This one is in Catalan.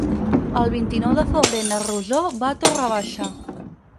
El vint-i-nou de febrer na Rosó va a Torre Baixa.